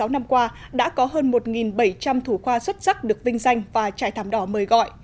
một mươi sáu năm qua đã có hơn một bảy trăm linh thủ khoa xuất sắc được vinh danh và trại thảm đỏ mời gọi